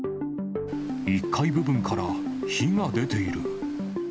１階部分から火が出ている。